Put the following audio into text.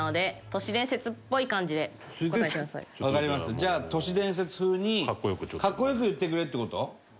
じゃあ都市伝説風に格好良く言ってくれって事？